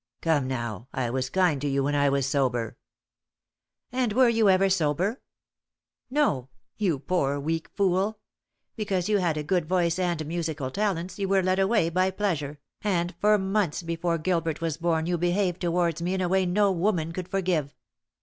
"Come now, I was kind to you when I was sober." "And were you ever sober? No; you poor, weak fool. Because you had a good voice and musical talents you were led away by pleasure, and for months before Gilbert was born you behaved towards me in a way no woman could forgive.